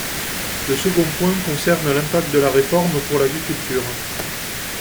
Le second point concerne l’impact de la réforme pour l’agriculture.